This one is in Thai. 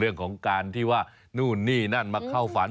เรื่องของการที่ว่านู่นนี่นั่นมาเข้าฝัน